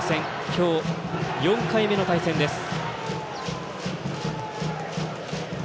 今日、４回目の対戦です。